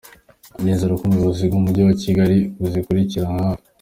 Nizere ko ubuyobozi bw’Umujyi wa Kigali buzabikurikiranira hafi.